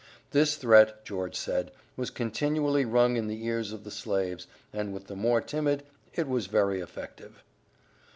This threat, George said, was continually rung in the ears of the slaves, and with the more timid it was very effective.